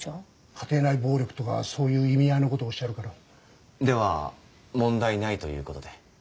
家庭内暴力とかそういう意味合いのことおっしゃるからでは問題ないということで？